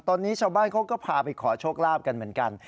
ตอนนี้ชาวบ้านเขาก็พาไปขอโชคลาภกันเหมือนกัน